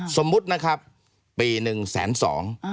สมมุตินะครับปีหนึ่งแสนสอง